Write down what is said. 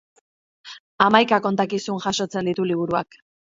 Hamaika kontakizun jasotzen ditu liburuak.